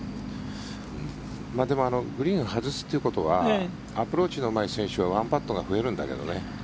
でもグリーンを外すということはアプローチのうまい選手は１パットが増えるんだけどね。